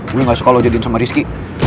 gue gak suka lo jadiin sama rizky